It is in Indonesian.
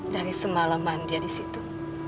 dari semalaman dia di situ